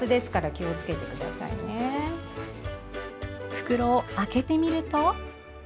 袋を開けてみると。